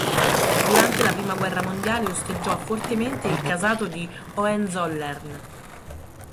Durante la Prima Guerra Mondiale osteggiò fortemente il Casato di Hohenzollern.